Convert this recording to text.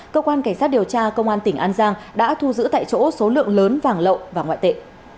cơ quan cảnh sát điều tra công an tỉnh an giang đã thu giữ tại chỗ số lượng lớn vàng lậu và ngoại tệ